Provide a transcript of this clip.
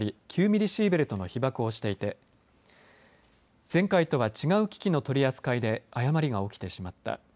９ミリシーベルトの被ばくをしていて前回とは違う機器の取り扱いで誤りが起きてしまった。